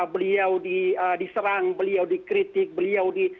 beliau diserang beliau dikritik beliau di